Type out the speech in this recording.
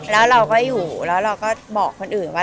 แล้วเราก็อยู่แล้วเราก็บอกคนอื่นว่า